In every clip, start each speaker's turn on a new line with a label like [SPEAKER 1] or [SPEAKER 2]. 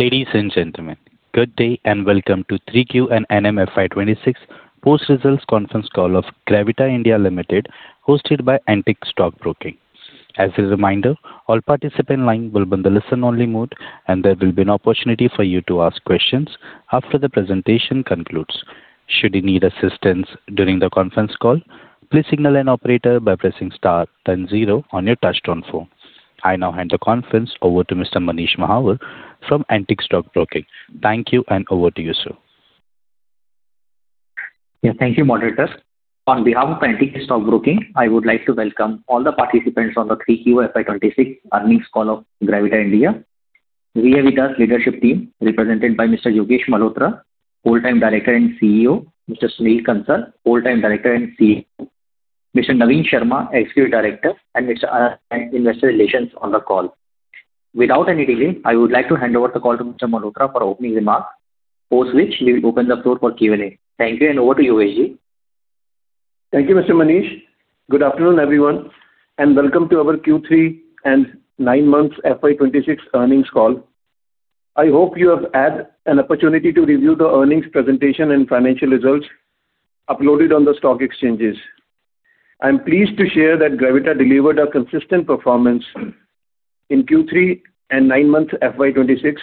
[SPEAKER 1] Ladies and gentlemen, good day and welcome to Q3 and 9M FY26 Post Results Conference Call of Gravita India Limited, hosted by Antique Stock Broking. As a reminder, all participants' lines will be in listen-only mode, and there will be no opportunity for you to ask questions after the presentation concludes. Should you need assistance during the conference call, please signal an operator by pressing star then zero on your touch-tone phone. I now hand the conference over to Mr. Manish Mahawar from Antique Stock Broking. Thank you, and over to you, sir.
[SPEAKER 2] Yeah, thank you, Moderator. On behalf of Antique Stock Broking, I would like to welcome all the participants on the 3Q FY26 earnings call of Gravita India. We have with us the leadership team represented by Mr. Yogesh Malhotra, Whole-time Director and CEO; Mr. Sunil Kansal, Whole-time Director and CFO; Mr. Naveen Sharma, Executive Director; and Investor Relations, on the call. Without any delay, I would like to hand over the call to Mr. Malhotra for opening remarks, post which we will open the floor for Q&A. Thank you, and over to you, Yogesh.
[SPEAKER 3] Thank you, Mr. Manish. Good afternoon, everyone, and welcome to our Q3 and nine months FY26 earnings call. I hope you have had an opportunity to review the earnings presentation and financial results uploaded on the stock exchanges. I'm pleased to share that Gravita delivered a consistent performance in Q3 and nine months FY26,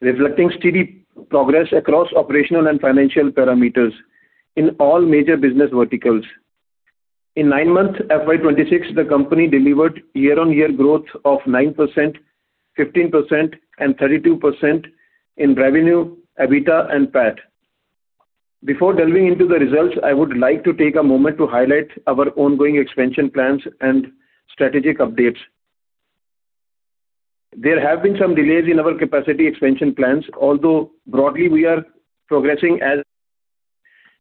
[SPEAKER 3] reflecting steady progress across operational and financial parameters in all major business verticals. In nine months FY26, the company delivered year-on-year growth of 9%, 15%, and 32% in revenue, EBITDA, and PAT. Before delving into the results, I would like to take a moment to highlight our ongoing expansion plans and strategic updates. There have been some delays in our capacity expansion plans, although broadly, we are progressing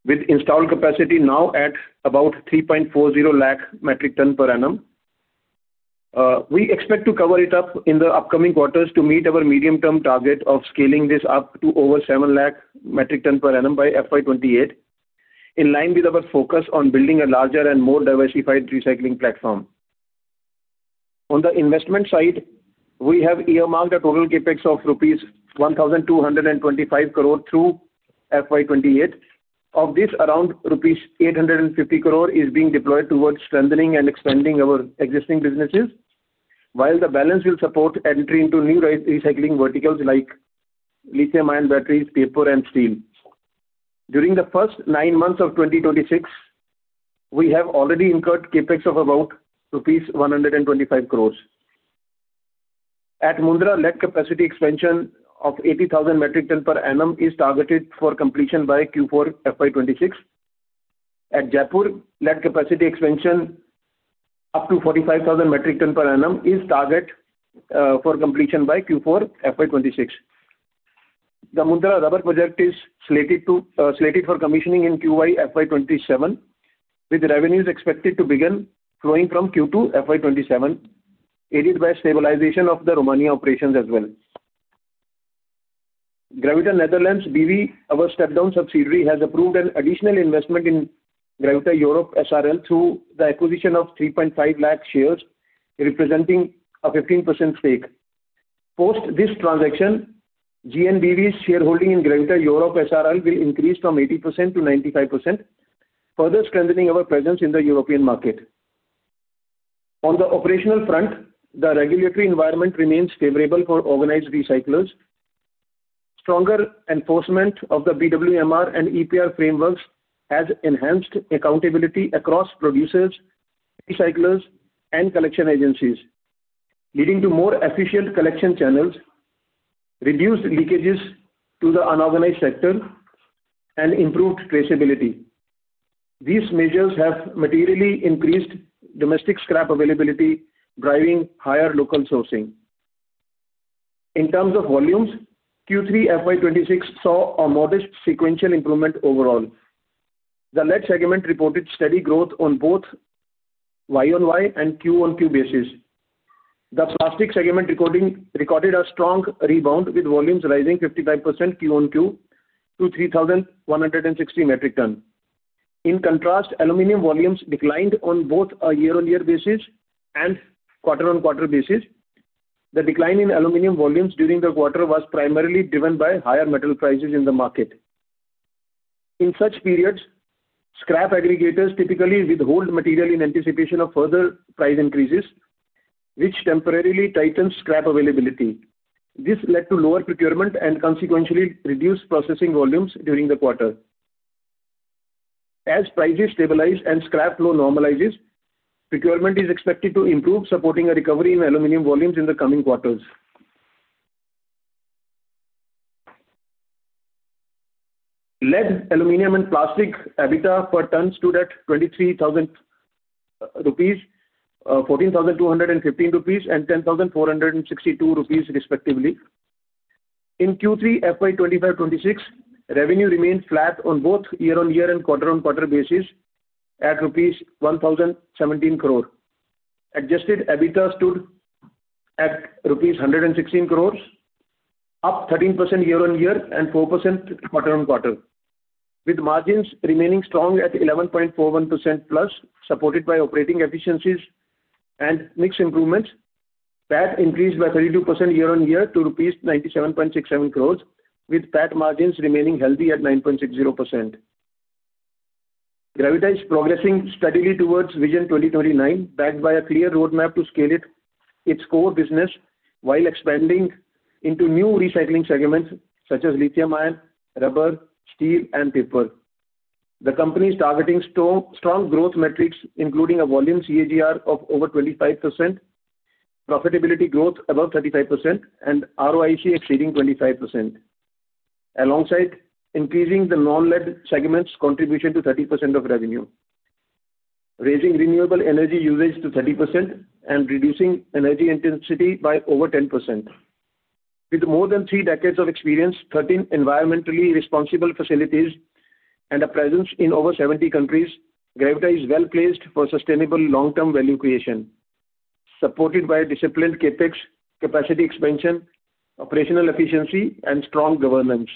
[SPEAKER 3] with installed capacity now at about 3.40 lakh metric tons per annum. We expect to cover it up in the upcoming quarters to meet our medium-term target of scaling this up to over 7 lakh metric tons per annum by FY28, in line with our focus on building a larger and more diversified recycling platform. On the investment side, we have earmarked a total CapEx of rupees 1,225 crore through FY28. Of this, around rupees 850 crore is being deployed towards strengthening and expanding our existing businesses, while the balance will support entry into new recycling verticals like lithium-ion batteries, paper, and steel. During the first nine months of 2026, we have already incurred CapEx of about rupees 125 crore. At Mundra, lead capacity expansion of 80,000 metric tons per annum is targeted for completion by Q4 FY26. At Jaipur, lead capacity expansion up to 45,000 metric tons per annum is targeted for completion by Q4 FY26. The Mundra rubber project is slated for commissioning in Q1 FY27, with revenues expected to begin flowing from Q2 FY27, aided by stabilization of the Romania operations as well. Gravita Netherlands BV, our step-down subsidiary, has approved an additional investment in Gravita Europe SRL through the acquisition of 3.5 lakh shares, representing a 15% stake. Post this transaction, GNBV's shareholding in Gravita Europe SRL will increase from 80% to 95%, further strengthening our presence in the European market. On the operational front, the regulatory environment remains favorable for organized recyclers. Stronger enforcement of the BWMR and EPR frameworks has enhanced accountability across producers, recyclers, and collection agencies, leading to more efficient collection channels, reduced leakages to the unorganized sector, and improved traceability. These measures have materially increased domestic scrap availability, driving higher local sourcing. In terms of volumes, Q3 FY26 saw a modest sequential improvement overall. The lead segment reported steady growth on both Y on Y and Q on Q basis. The plastic segment recorded a strong rebound, with volumes rising 55% Q on Q to 3,160 metric tons. In contrast, aluminum volumes declined on both a year-on-year basis and quarter-on-quarter basis. The decline in aluminum volumes during the quarter was primarily driven by higher metal prices in the market. In such periods, scrap aggregators typically withhold material in anticipation of further price increases, which temporarily tightens scrap availability. This led to lower procurement and consequently reduced processing volumes during the quarter. As prices stabilize and scrap flow normalizes, procurement is expected to improve, supporting a recovery in aluminum volumes in the coming quarters. Lead, aluminum, and plastic EBITDA per tons stood at ₹14,215 and ₹10,462 respectively. In Q3 FY25-26, revenue remained flat on both year-on-year and quarter-on-quarter basis at ₹1,017 crore. Adjusted EBITDA stood at rupees 116 crore, up 13% year-on-year and 4% quarter-on-quarter, with margins remaining strong at 11.41% plus, supported by operating efficiencies and mixed improvements. PAT increased by 32% year-on-year to rupees 97.67 crore, with PAT margins remaining healthy at 9.60%. Gravita is progressing steadily towards Vision 2029, backed by a clear roadmap to scale its core business while expanding into new recycling segments such as lithium-ion, rubber, steel, and paper. The company is targeting strong growth metrics, including a volume CAGR of over 25%, profitability growth above 35%, and ROIC exceeding 25%, alongside increasing the non-lead segment's contribution to 30% of revenue, raising renewable energy usage to 30% and reducing energy intensity by over 10%. With more than three decades of experience, 13 environmentally responsible facilities, and a presence in over 70 countries, Gravita is well-placed for sustainable long-term value creation, supported by disciplined CapEx, capacity expansion, operational efficiency, and strong governance.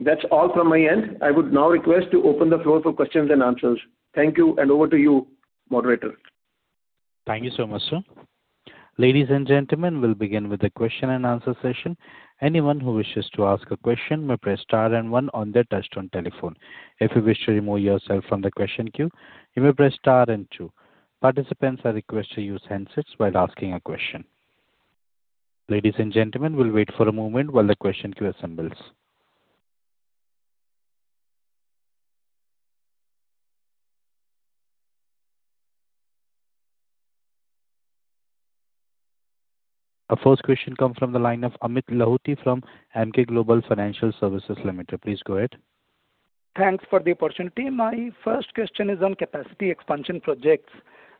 [SPEAKER 3] That's all from my end. I would now request to open the floor for questions and answers. Thank you, and over to you, Moderator.
[SPEAKER 1] Thank you so much, sir. Ladies and gentlemen, we'll begin with the question and answer session. Anyone who wishes to ask a question may press star and one on their touch-tone telephone. If you wish to remove yourself from the question queue, you may press star and two. Participants are requested to use handsets while asking a question. Ladies and gentlemen, we'll wait for a moment while the question queue assembles. Our first question comes from the line of Amit Lahoti from Emkay Global Financial Services Limited. Please go ahead.
[SPEAKER 4] Thanks for the opportunity. My first question is on capacity expansion projects.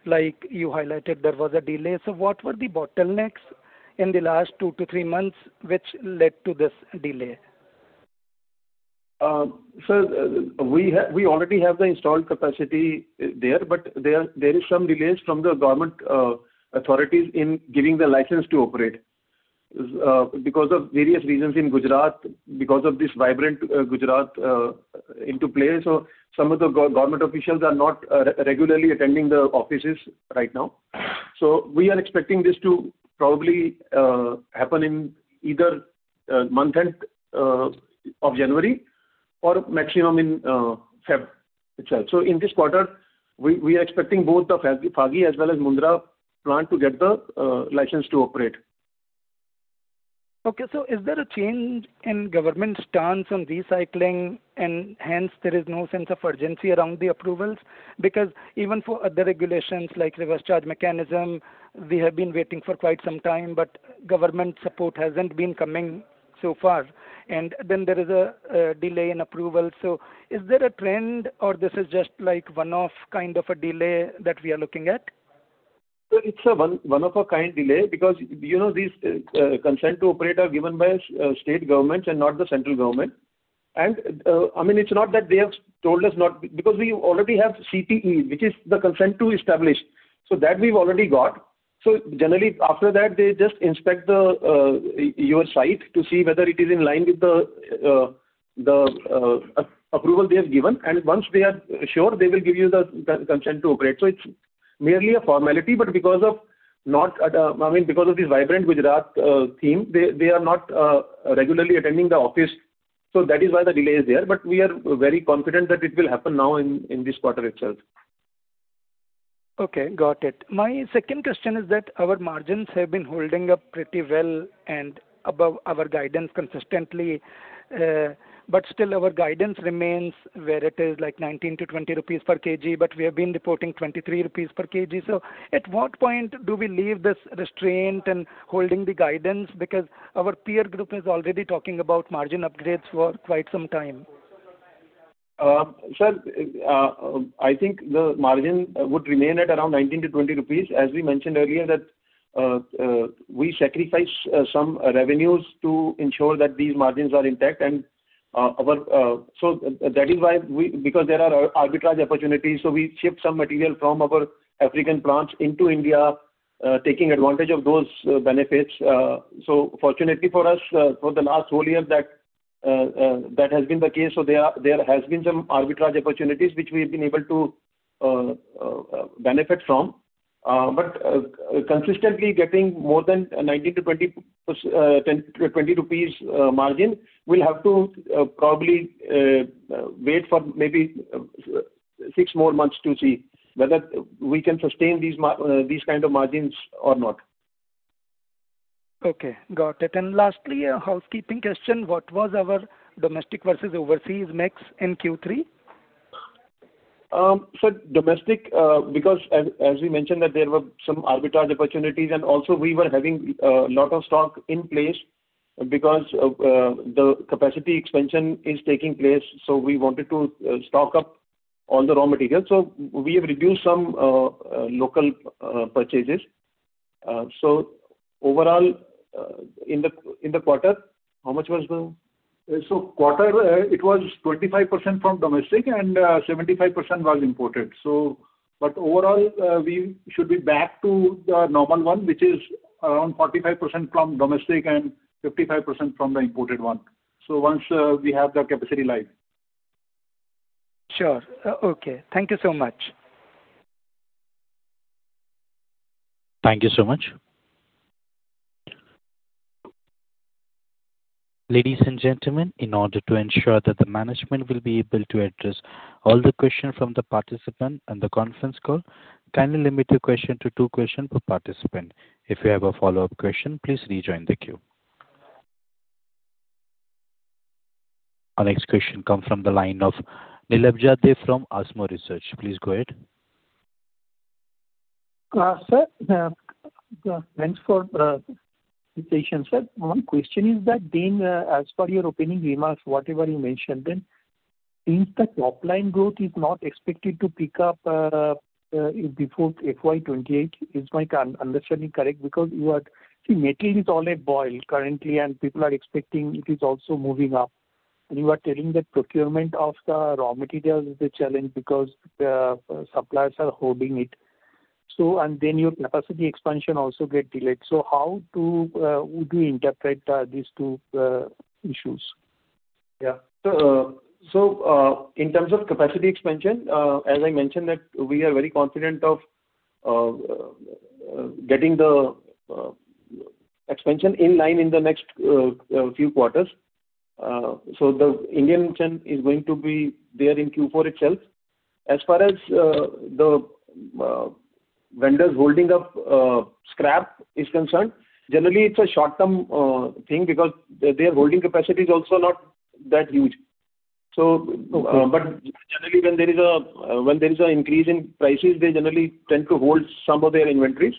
[SPEAKER 4] Like you highlighted, there was a delay. So what were the bottlenecks in the last two to three months which led to this delay?
[SPEAKER 3] Sir, we already have the installed capacity there, but there are some delays from the government authorities in giving the license to operate because of various reasons in Gujarat, because of this Vibrant Gujarat into play. So some of the government officials are not regularly attending the offices right now. So we are expecting this to probably happen in either the month of January or maximum in February itself. So in this quarter, we are expecting both the Phagi as well as Mundra plant to get the license to operate.
[SPEAKER 4] Okay, so is there a change in government's stance on recycling, and hence there is no sense of urgency around the approvals? Because even for other regulations like Reverse Charge Mechanism, we have been waiting for quite some time, but government support hasn't been coming so far, and then there is a delay in approval, so is there a trend, or this is just like one-off kind of a delay that we are looking at?
[SPEAKER 3] It's a one-off kind of delay because these Consent to Operate are given by state governments and not the central government, and I mean, it's not that they have told us not because we already have CTE, which is the Consent to Establish. So that we've already got, so generally, after that, they just inspect your site to see whether it is in line with the approval they have given, and once they are sure, they will give you the Consent to Operate. So it's merely a formality, but because of, I mean, because of this Vibrant Gujarat theme, they are not regularly attending the office, so that is why the delay is there. But we are very confident that it will happen now in this quarter itself.
[SPEAKER 4] Okay, got it. My second question is that our margins have been holding up pretty well and above our guidance consistently. But still, our guidance remains where it is, like 19-20 rupees per kg, but we have been reporting 23 rupees per kg. So at what point do we leave this restraint and holding the guidance? Because our peer group is already talking about margin upgrades for quite some time.
[SPEAKER 3] Sir, I think the margin would remain at around 19-20 rupees. As we mentioned earlier, we sacrifice some revenues to ensure that these margins are intact. And so that is why we, because there are arbitrage opportunities, so we ship some material from our African plants into India, taking advantage of those benefits. So fortunately for us, for the last whole year, that has been the case. So there has been some arbitrage opportunities, which we have been able to benefit from. But consistently getting more than 19-20 rupees margin, we'll have to probably wait for maybe six more months to see whether we can sustain these kind of margins or not.
[SPEAKER 4] Okay, got it. And lastly, a housekeeping question. What was our domestic versus overseas mix in Q3?
[SPEAKER 3] Sir, domestic, because as we mentioned that there were some arbitrage opportunities, and also we were having a lot of stock in place because the capacity expansion is taking place. So we wanted to stock up all the raw material. So we have reduced some local purchases. So overall, in the quarter, how much was the? So quarter, it was 25% from domestic and 75% was imported. But overall, we should be back to the normal one, which is around 45% from domestic and 55% from the imported one. So once we have the capacity live.
[SPEAKER 4] Sure. Okay. Thank you so much.
[SPEAKER 1] Thank you so much. Ladies and gentlemen, in order to ensure that the management will be able to address all the questions from the participant and the conference call, kindly limit your question to two questions per participant. If you have a follow-up question, please rejoin the queue. Our next question comes from the line of Nilabja Dey from Asmo Research. Please go ahead.
[SPEAKER 5] Sir, thanks for the opportunity. Sir, my question is that as per your opening remarks, whatever you mentioned, since the top-line growth is not expected to pick up before FY28, is my understanding correct? Because you see, metals are all at a boil currently, and people are expecting it is also moving up. And you are telling that procurement of the raw material is the challenge because suppliers are holding it. And then your capacity expansion also gets delayed. So how would you interpret these two issues?
[SPEAKER 3] Yeah. So in terms of capacity expansion, as I mentioned, we are very confident of getting the expansion in line in the next few quarters. So the India one is going to be there in Q4 itself. As far as the vendors holding up scrap is concerned, generally, it's a short-term thing because their holding capacity is also not that huge. But generally, when there is an increase in prices, they generally tend to hold some of their inventories.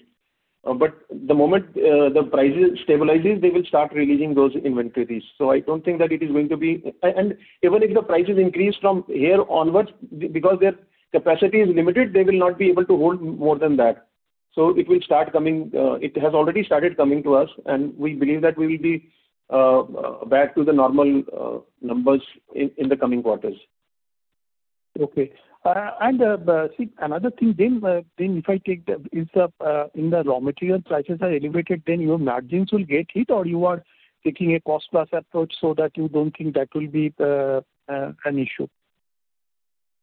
[SPEAKER 3] But the moment the price stabilizes, they will start releasing those inventories. So I don't think that it is going to be. And even if the prices increase from here onwards, because their capacity is limited, they will not be able to hold more than that. So it will start coming. It has already started coming to us, and we believe that we will be back to the normal numbers in the coming quarters.
[SPEAKER 5] Okay. And see, another thing, if I take the insight in the raw material prices are elevated, then your margins will get hit, or you are taking a cost-plus approach so that you don't think that will be an issue?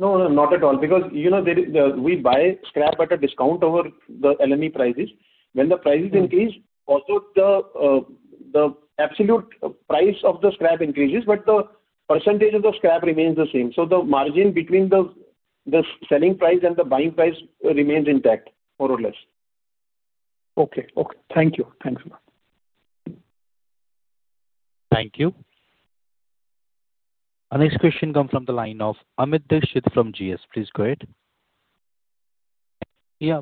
[SPEAKER 3] No, not at all. Because we buy scrap at a discount over the LME prices. When the prices increase, also the absolute price of the scrap increases, but the percentage of the scrap remains the same. So the margin between the selling price and the buying price remains intact, more or less.
[SPEAKER 5] Okay. Okay. Thank you. Thanks a lot.
[SPEAKER 1] Thank you. Our next question comes from the line of Amit Dixit from GS. Please go ahead.
[SPEAKER 6] Yeah.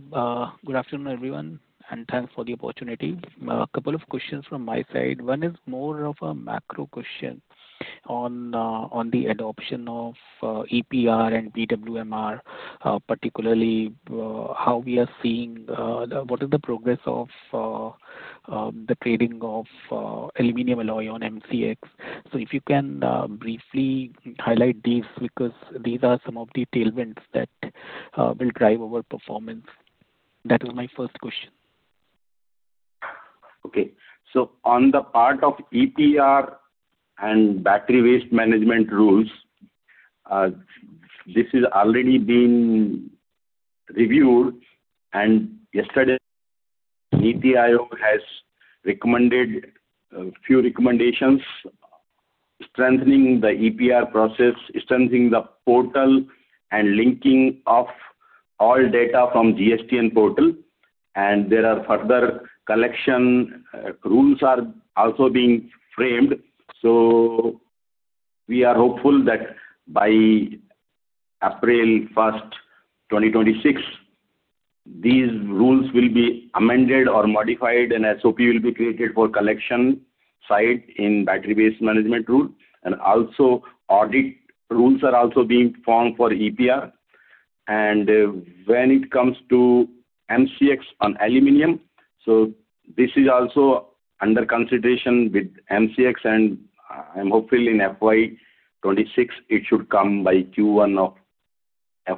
[SPEAKER 6] Good afternoon, everyone, and thanks for the opportunity. A couple of questions from my side. One is more of a macro question on the adoption of EPR and BWMR, particularly how we are seeing what is the progress of the trading of aluminum alloy on MCX. So if you can briefly highlight these because these are some of the tailwinds that will drive outperformance. That is my first question.
[SPEAKER 7] Okay. So on the part of EPR and battery waste management rules, this has already been reviewed. And yesterday, NITI Aayog has recommended a few recommendations strengthening the EPR process, strengthening the portal, and linking of all data from GSTN portal. And there are further collection rules also being framed. So we are hopeful that by April 1, 2026, these rules will be amended or modified, and SOP will be created for collection side in battery waste management rule. And also, audit rules are also being formed for EPR. And when it comes to MCX on aluminum, so this is also under consideration with MCX, and I'm hopeful in FY26, it should come by Q1 of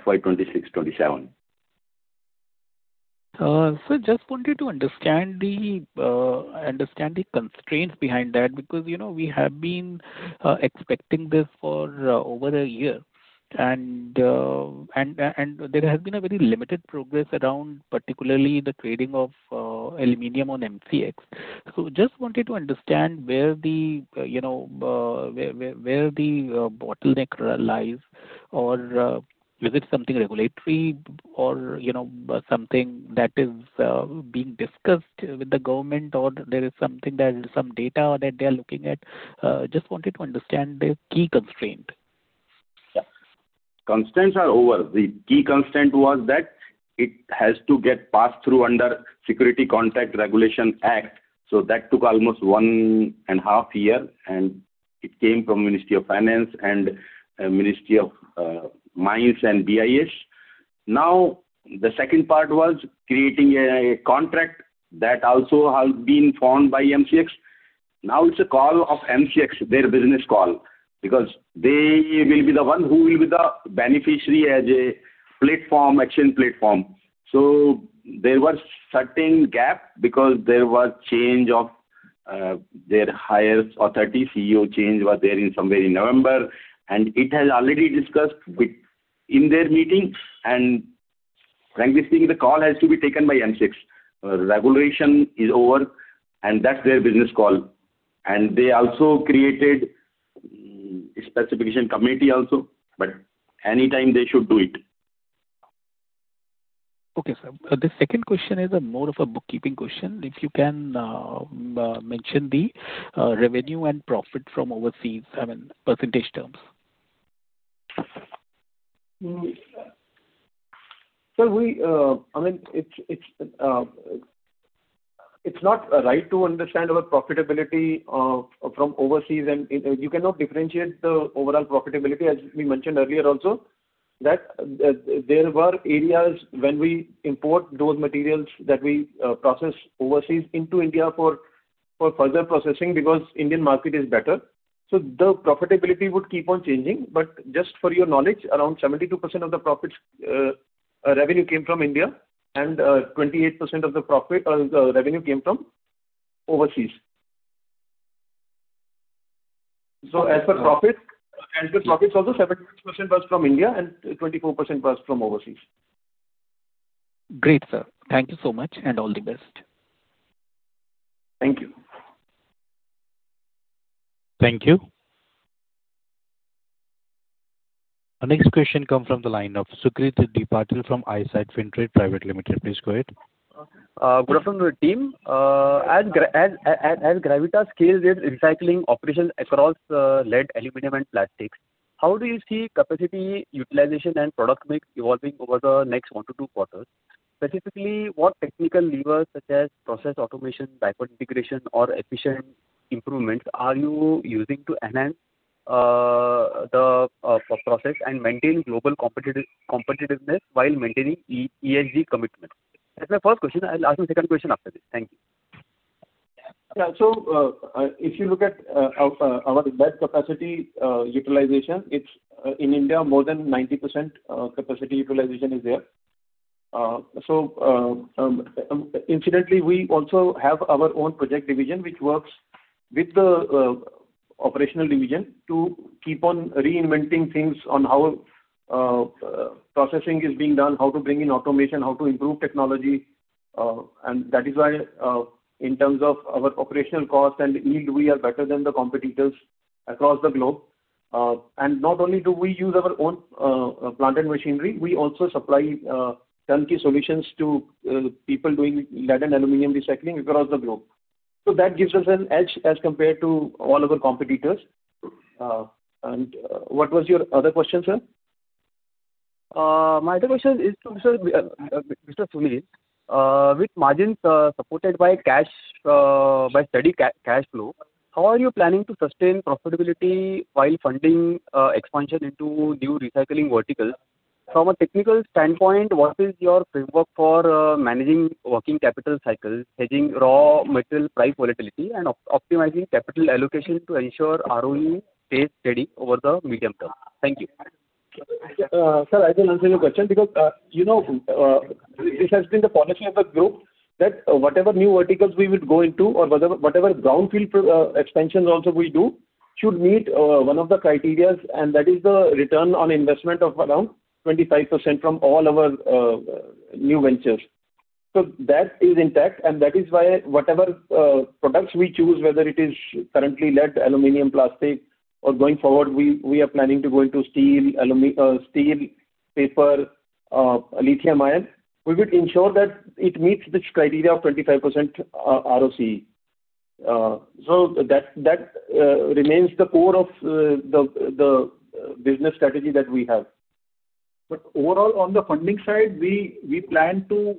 [SPEAKER 7] FY26-27.
[SPEAKER 6] Sir, just wanted to understand the constraints behind that because we have been expecting this for over a year, and there has been a very limited progress around particularly the trading of aluminum on MCX, so just wanted to understand where the bottleneck lies, or is it something regulatory or something that is being discussed with the government, or there is something that is some data that they are looking at? Just wanted to understand the key constraint.
[SPEAKER 7] Yeah. Constraints are over. The key constraint was that it has to get passed through under Securities Contracts (Regulation) Act. So that took almost one and a half years, and it came from the Ministry of Finance and the Ministry of Mines and BIS. Now, the second part was creating a contract that also has been formed by MCX. Now, it's a call of MCX, their business call, because they will be the one who will be the beneficiary as a platform, exchange platform. So there was a certain gap because there was a change of their higher authority. CEO change was there in somewhere in November. And it has already discussed in their meeting. And frankly speaking, the call has to be taken by MCX. Regulation is over, and that's their business call. And they also created a specification committee also, but anytime they should do it.
[SPEAKER 6] Okay, sir. The second question is more of a bookkeeping question. If you can mention the revenue and profit from overseas, I mean, percentage terms.
[SPEAKER 3] Sir, I mean, it's not right to understand our profitability from overseas, and you cannot differentiate the overall profitability, as we mentioned earlier also, that there were areas when we import those materials that we process overseas into India for further processing because the Indian market is better, so the profitability would keep on changing, but just for your knowledge, around 72% of the profit revenue came from India, and 28% of the revenue came from overseas, so as per profits, and the profits also, 72% was from India and 24% was from overseas.
[SPEAKER 6] Great, sir. Thank you so much, and all the best.
[SPEAKER 3] Thank you.
[SPEAKER 1] Thank you. Our next question comes from the line of Sucrit Patil from Eyesight Fintrade Private Limited. Please go ahead.
[SPEAKER 8] Good afternoon, team. As Gravita scales its recycling operations across lead aluminum and plastics, how do you see capacity utilization and product mix evolving over the next one to two quarters? Specifically, what technical levers such as process automation, backward integration, or efficient improvements are you using to enhance the process and maintain global competitiveness while maintaining ESG commitment? That's my first question. I'll ask the second question after this. Thank you.
[SPEAKER 3] Yeah. So if you look at our lead capacity utilization, in India, more than 90% capacity utilization is there. So incidentally, we also have our own project division, which works with the operational division to keep on reinventing things on how processing is being done, how to bring in automation, how to improve technology. And that is why, in terms of our operational cost and yield, we are better than the competitors across the globe. And not only do we use our own plant machinery, we also supply turnkey solutions to people doing lead and aluminum recycling across the globe. So that gives us an edge as compared to all of our competitors. And what was your other question, sir?
[SPEAKER 8] My other question is to, sir, Mr. Sunil, with margins supported by steady cash flow, how are you planning to sustain profitability while funding expansion into new recycling verticals? From a technical standpoint, what is your framework for managing working capital cycles, hedging raw material price volatility, and optimizing capital allocation to ensure ROE stays steady over the medium term? Thank you.
[SPEAKER 3] Sir, I can answer your question because this has been the policy of the group that whatever new verticals we would go into or whatever greenfield expansions also we do should meet one of the criteria, and that is the return on invested capital of around 25% from all our new ventures. So that is intact, and that is why whatever products we choose, whether it is currently lead, aluminum, plastic, or going forward, we are planning to go into steel, paper, lithium-ion, we would ensure that it meets this criteria of 25% ROIC. So that remains the core of the business strategy that we have. But overall, on the funding side, we plan to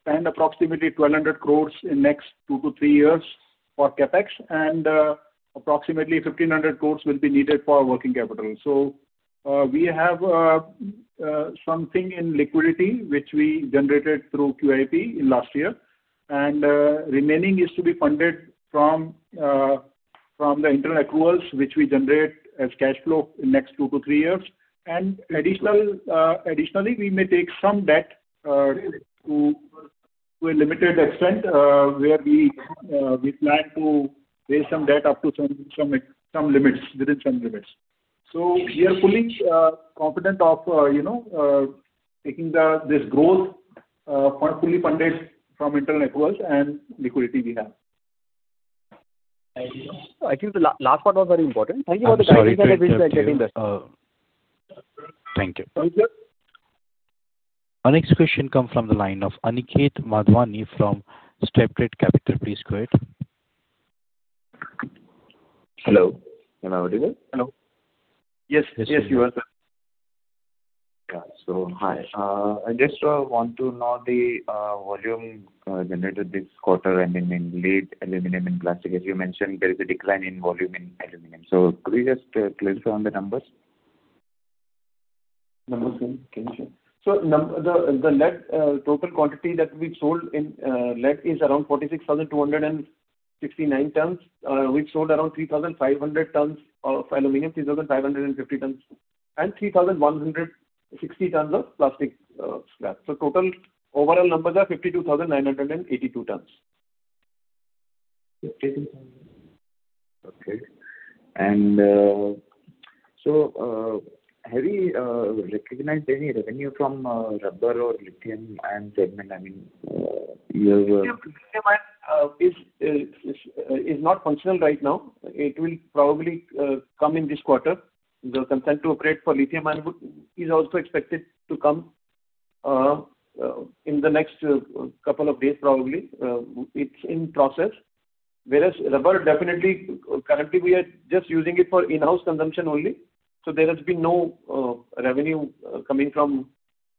[SPEAKER 3] spend approximately 1,200 crores in the next two to three years for CapEx, and approximately 1,500 crores will be needed for working capital. So we have something in liquidity, which we generated through QIP last year. And remaining is to be funded from the internal accruals, which we generate as cash flow in the next two to three years. And additionally, we may take some debt to a limited extent where we plan to raise some debt up to some limits, within some limits. So we are fully confident of taking this growth fully funded from internal accruals and liquidity we have.
[SPEAKER 8] Thank you. I think the last part was very important. Thank you for the guidance.
[SPEAKER 1] Thank you. Our next question comes from the line of Aniket Madhwani from Steptrade Capital. Please go ahead.
[SPEAKER 9] Hello. Can I have your name?
[SPEAKER 1] Hello. Yes. Yes, you are, sir.
[SPEAKER 9] Yeah. So hi. I just want to know the volume generated this quarter and in lead aluminum and plastic. As you mentioned, there is a decline in volume in aluminum. So could you just clarify on the numbers?
[SPEAKER 10] Number, sir? Can you share? So the lead total quantity that we sold in lead is around 46,269 tons. We sold around 3,500 tons of aluminum, 3,550 tons, and 3,160 tons of plastic scrap. So total overall numbers are 52,982 tons. 52,000. Okay. And so have you recognized any revenue from rubber or lithium-ion segment? I mean, your.
[SPEAKER 3] Lithium-ion is not functional right now. It will probably come in this quarter. The consent to operate for lithium-ion is also expected to come in the next couple of days, probably. It's in process. Whereas rubber, definitely, currently, we are just using it for in-house consumption only. So there has been no revenue coming from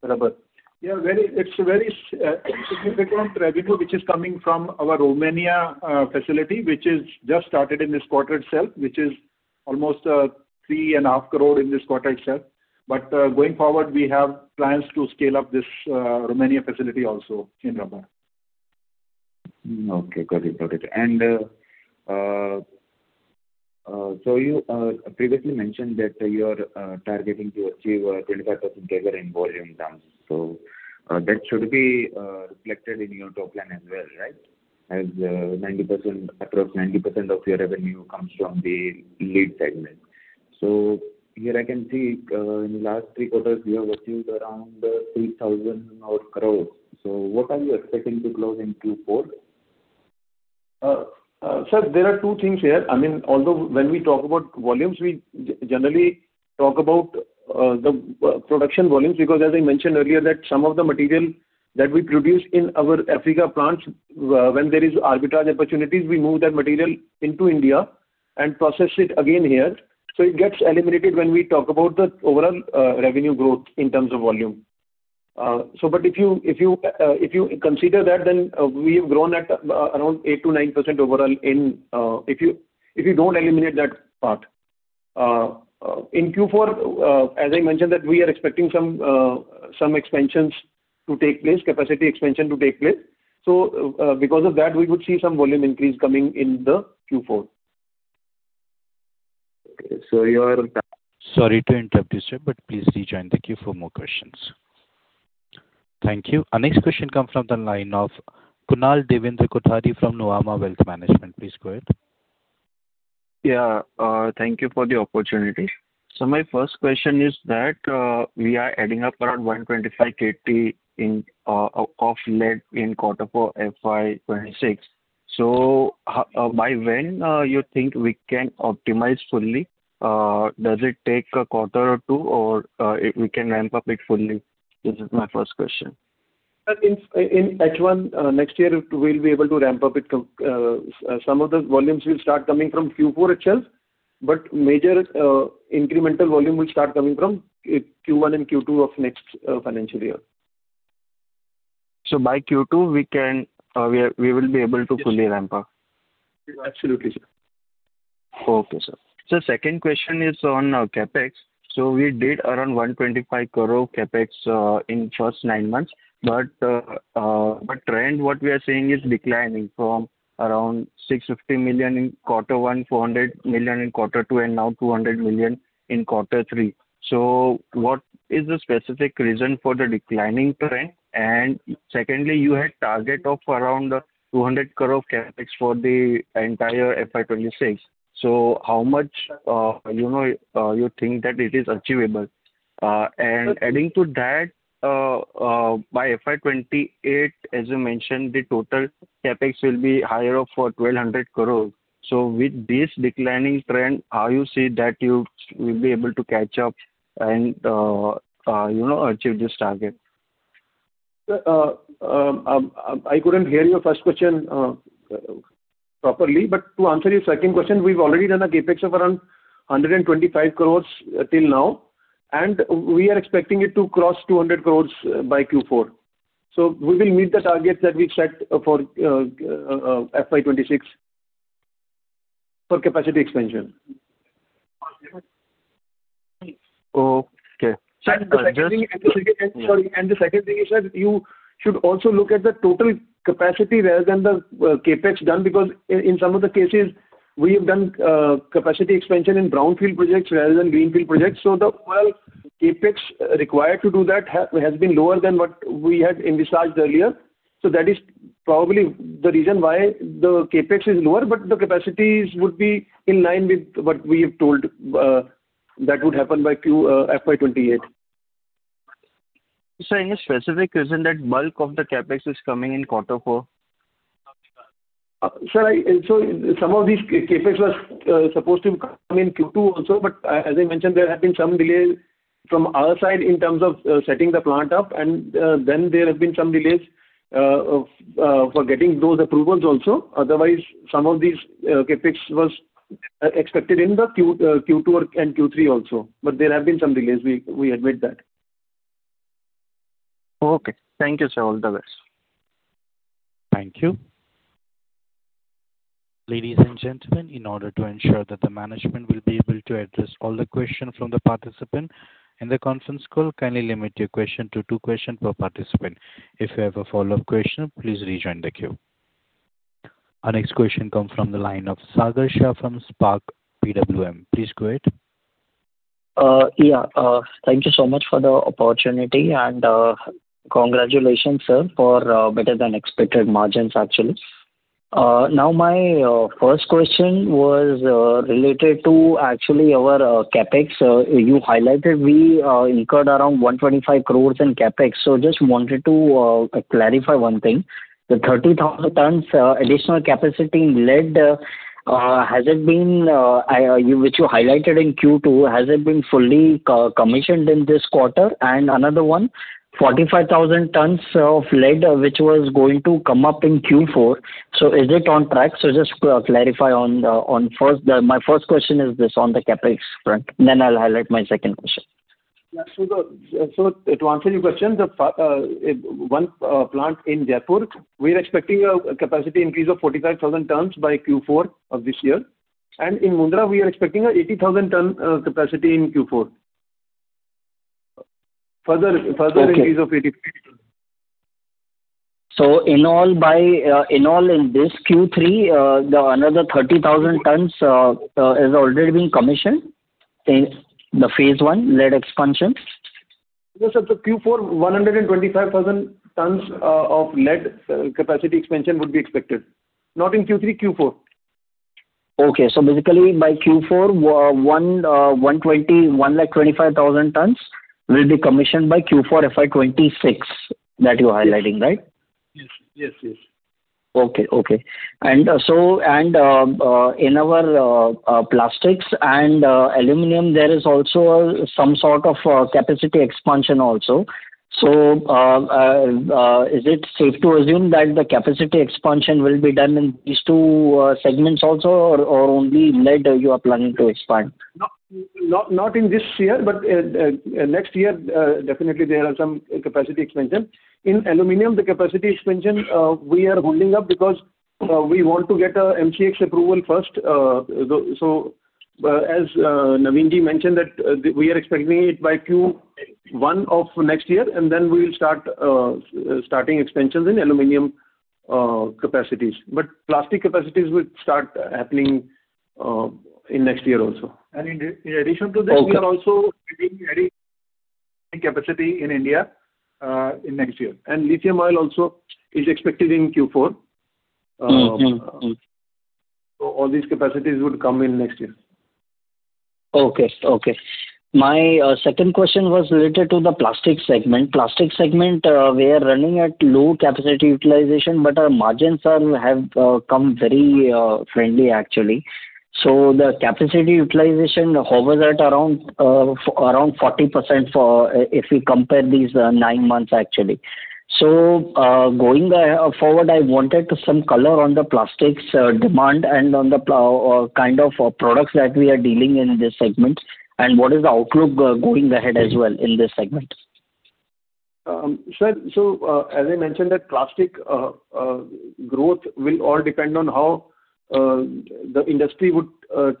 [SPEAKER 3] rubber. Yeah. It's a very significant revenue which is coming from our Romania facility, which has just started in this quarter itself, which is almost 3.5 crore in this quarter itself. But going forward, we have plans to scale up this Romania facility also in rubber.
[SPEAKER 9] Okay. Got it. Got it. And so you previously mentioned that you are targeting to achieve 25% bigger in volume terms. So that should be reflected in your top line as well, right? As 90%, approximately 90% of your revenue comes from the lead segment. So here I can see in the last three quarters, you have achieved around 3,000 crores. So what are you expecting to close into four?
[SPEAKER 3] Sir, there are two things here. I mean, although when we talk about volumes, we generally talk about the production volumes because, as I mentioned earlier, that some of the material that we produce in our Africa plants, when there is arbitrage opportunities, we move that material into India and process it again here. So it gets eliminated when we talk about the overall revenue growth in terms of volume. But if you consider that, then we have grown at around 8%-9% overall if you don't eliminate that part. In Q4, as I mentioned, that we are expecting some expansions to take place, capacity expansion to take place. So because of that, we would see some volume increase coming in the Q4.
[SPEAKER 9] Okay. So you are.
[SPEAKER 1] Sorry to interrupt you, sir, but please rejoin. Thank you for more questions. Thank you. Our next question comes from the line of Kunal Devendra Kothari from Nuvama Wealth Management. Please go ahead.
[SPEAKER 11] Yeah. Thank you for the opportunity. So my first question is that we are adding up around 125 KT of lead in quarter for FY26. So by when you think we can optimize fully? Does it take a quarter or two, or we can ramp up it fully? This is my first question.
[SPEAKER 3] In H1, next year, we'll be able to ramp up it. Some of the volumes will start coming from Q4 itself, but major incremental volume will start coming from Q1 and Q2 of next financial year.
[SPEAKER 11] So by Q2, we will be able to fully ramp up?
[SPEAKER 3] Absolutely, sir.
[SPEAKER 11] Okay, sir. So second question is on CapEx. So we did around 125 crore CapEx in the first nine months. But the trend, what we are seeing, is declining from around 650 million in quarter one, 400 million in quarter two, and now 200 million in quarter three. So what is the specific reason for the declining trend? And secondly, you had target of around 200 crore CapEx for the entire FY26. So how much you think that it is achievable? And adding to that, by FY28, as you mentioned, the total CapEx will be higher of 1,200 crore. So with this declining trend, how do you see that you will be able to catch up and achieve this target?
[SPEAKER 3] Sir, I couldn't hear your first question properly. But to answer your second question, we've already done a CapEx of around 125 crores till now, and we are expecting it to cross 200 crores by Q4. So we will meet the target that we set for FY26 for capacity expansion.
[SPEAKER 11] Okay.
[SPEAKER 3] And the second thing is, sir, you should also look at the total capacity rather than the CapEx done because in some of the cases, we have done capacity expansion in brownfield projects rather than greenfield projects. So the overall CapEx required to do that has been lower than what we had envisaged earlier. So that is probably the reason why the CapEx is lower, but the capacities would be in line with what we have told that would happen by FY28.
[SPEAKER 11] Sir, any specific reason that bulk of the CapEx is coming in quarter four?
[SPEAKER 3] Sir, some of these CapEx was supposed to come in Q2 also, but as I mentioned, there have been some delays from our side in terms of setting the plant up, and then there have been some delays for getting those approvals also. Otherwise, some of these CapEx was expected in the Q2 and Q3 also. But there have been some delays. We admit that.
[SPEAKER 11] Okay. Thank you, sir. All the best.
[SPEAKER 1] Thank you. Ladies and gentlemen, in order to ensure that the management will be able to address all the questions from the participants in the conference call, kindly limit your question to two questions per participant. If you have a follow-up question, please rejoin the queue. Our next question comes from the line of Sagar Shah from Spark PWM. Please go ahead.
[SPEAKER 12] Yeah. Thank you so much for the opportunity, and congratulations, sir, for better than expected margins, actually. Now, my first question was related to actually our CapEx. You highlighted we incurred around 125 crores in CapEx. So just wanted to clarify one thing. The 30,000 tons additional capacity in lead has it been, which you highlighted in Q2, has it been fully commissioned in this quarter? And another one, 45,000 tons of lead which was going to come up in Q4. So is it on track? So just clarify on first. My first question is this on the CapEx front. Then I'll highlight my second question.
[SPEAKER 3] Yeah. So to answer your question, the one plant in Jaipur, we are expecting a capacity increase of 45,000 tons by Q4 of this year, and in Mundra, we are expecting an 80,000-ton capacity in Q4. Further increase of 80,000.
[SPEAKER 12] In all, in this Q3, another 30,000 tons has already been commissioned in the phase one, lead expansion?
[SPEAKER 3] Yes, sir. So Q4, 125,000 tons of lead capacity expansion would be expected. Not in Q3, Q4.
[SPEAKER 12] Okay. So basically, by Q4, 125,000 tons will be commissioned by Q4 FY26 that you're highlighting, right?
[SPEAKER 3] Yes. Yes. Yes.
[SPEAKER 12] Okay. Okay. And so in our plastics and aluminum, there is also some sort of capacity expansion also. So is it safe to assume that the capacity expansion will be done in these two segments also, or only lead you are planning to expand?
[SPEAKER 3] Not in this year, but next year, definitely, there are some capacity expansion. In aluminum, the capacity expansion, we are holding up because we want to get an MCX approval first. So as Naveenji mentioned, that we are expecting it by Q1 of next year, and then we will start expansions in aluminum capacities. But plastic capacities will start happening in next year also. And in addition to this, we are also adding capacity in India in next year. And lithium ion also is expected in Q4. So all these capacities would come in next year.
[SPEAKER 12] Okay. Okay. My second question was related to the plastic segment. Plastic segment, we are running at low capacity utilization, but our margins, sir, have come very friendly, actually. So the capacity utilization hovers at around 40% if we compare these nine months, actually. So going forward, I wanted some color on the plastics demand and on the kind of products that we are dealing in this segment and what is the outlook going ahead as well in this segment?
[SPEAKER 3] Sir, so as I mentioned, that plastic growth will all depend on how the industry would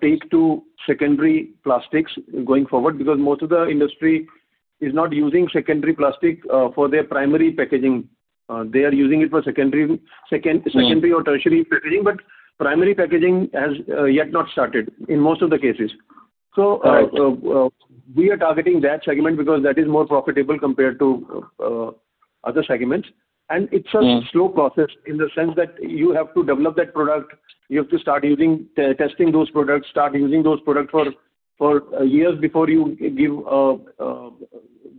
[SPEAKER 3] take to secondary plastics going forward because most of the industry is not using secondary plastic for their primary packaging. They are using it for secondary or tertiary packaging, but primary packaging has yet not started in most of the cases. So we are targeting that segment because that is more profitable compared to other segments. And it's a slow process in the sense that you have to develop that product. You have to start testing those products, start using those products for years before you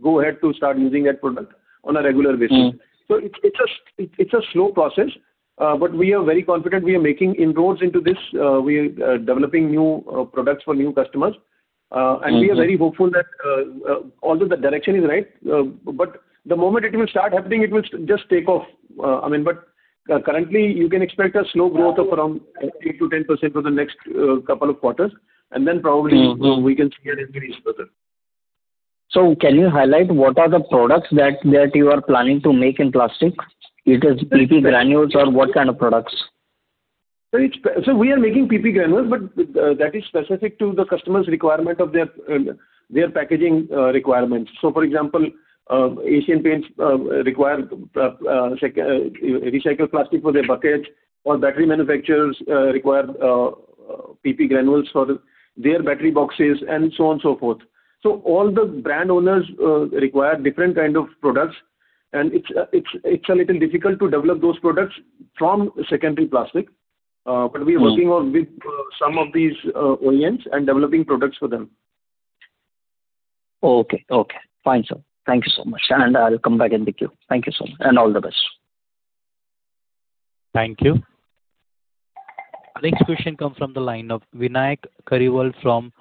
[SPEAKER 3] go ahead to start using that product on a regular basis. So it's a slow process, but we are very confident we are making inroads into this. We are developing new products for new customers. We are very hopeful that although the direction is right, but the moment it will start happening, it will just take off. I mean, but currently, you can expect a slow growth of around 8%-10% for the next couple of quarters. And then probably we can see an increase further.
[SPEAKER 12] So can you highlight what are the products that you are planning to make in plastic? It is PP granules or what kind of products?
[SPEAKER 3] So we are making PP granules, but that is specific to the customer's requirement of their packaging requirements. So for example, Asian Paints require recycled plastic for their buckets, or battery manufacturers require PP granules for their battery boxes, and so on and so forth. So all the brand owners require different kinds of products, and it's a little difficult to develop those products from secondary plastic. But we are working on some of these orients and developing products for them.
[SPEAKER 12] Okay. Okay. Fine, sir. Thank you so much. And I'll come back in the queue. Thank you so much. And all the best.
[SPEAKER 1] Thank you. Our next question comes from the line of Vinayak Kariwal from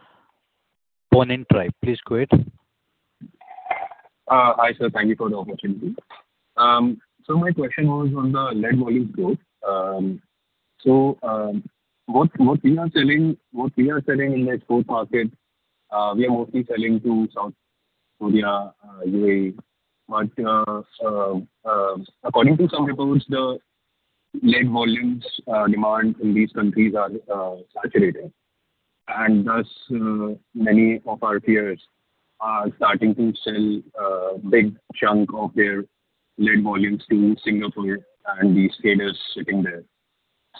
[SPEAKER 1] Xponent Tribe. Please go ahead.
[SPEAKER 13] Hi, sir. Thank you for the opportunity. My question was on the lead volume growth. What we are selling in the export market, we are mostly selling to South Korea, UAE. But according to some reports, the lead volumes demand in these countries are saturated. Thus, many of our peers are starting to sell big chunks of their lead volumes to Singapore and these traders sitting there.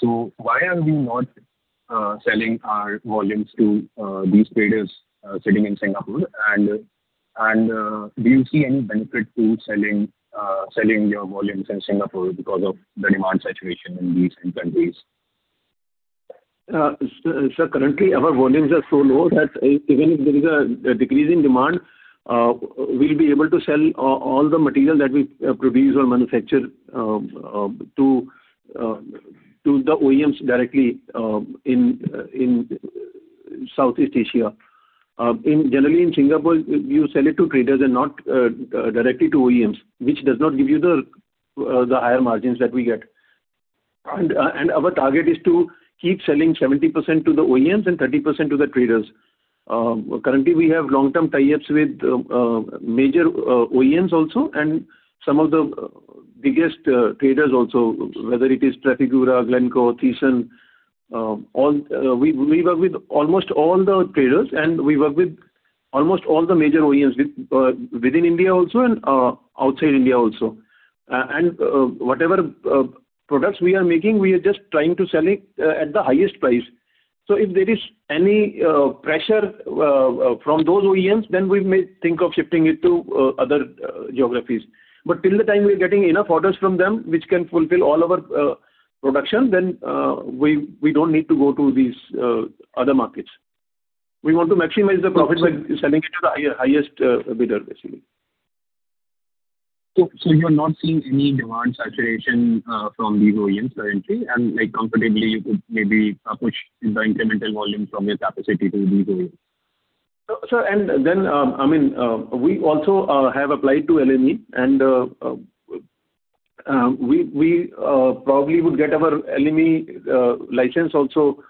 [SPEAKER 13] Why are we not selling our volumes to these traders sitting in Singapore? Do you see any benefit to selling your volumes in Singapore because of the demand saturation in these countries?
[SPEAKER 3] Sir, currently, our volumes are so low that even if there is a decrease in demand, we'll be able to sell all the material that we produce or manufacture to the OEMs directly in Southeast Asia. Generally, in Singapore, you sell it to traders and not directly to OEMs, which does not give you the higher margins that we get. And our target is to keep selling 70% to the OEMs and 30% to the traders. Currently, we have long-term tie-ups with major OEMs also and some of the biggest traders also, whether it is Trafigura, Glencore, Traxys. We work with almost all the traders, and we work with almost all the major OEMs within India also and outside India also. And whatever products we are making, we are just trying to sell it at the highest price. So if there is any pressure from those OEMs, then we may think of shifting it to other geographies. But till the time we are getting enough orders from them, which can fulfill all our production, then we don't need to go to these other markets. We want to maximize the profit by selling it to the highest bidder, basically.
[SPEAKER 13] So you're not seeing any demand saturation from these OEMs currently? And comfortably, you could maybe push the incremental volume from your capacity to these OEMs?
[SPEAKER 3] Sir, and then, I mean, we also have applied to LME, and we probably would get our LME license also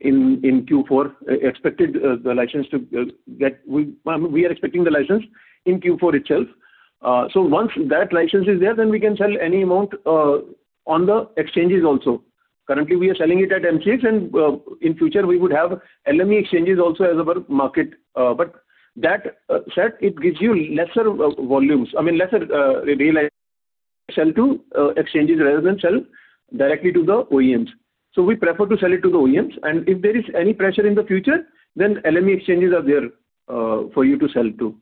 [SPEAKER 3] in Q4. We are expecting the license in Q4 itself. So once that license is there, then we can sell any amount on the exchanges also. Currently, we are selling it at MCX, and in future, we would have LME exchanges also as our market. But that said, it gives you lesser volumes, I mean, lesser sell-to exchanges rather than sell directly to the OEMs. So we prefer to sell it to the OEMs. And if there is any pressure in the future, then LME exchanges are there for you to sell to.